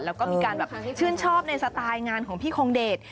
แล้วก็มีการแบบชื่นชอบในสไตล์งานของพี่คงเดช